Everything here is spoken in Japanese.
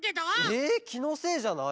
えきのせいじゃない？